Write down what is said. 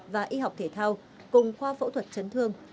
và y học thể thao cùng khoa phẫu thuật chấn thương